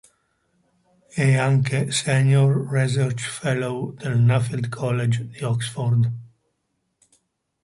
È anche Senior Research Fellow del Nuffield College di Oxford.